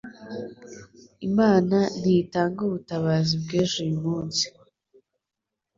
Imana ntitanga ubutabazi bw'ejo uyu munsi.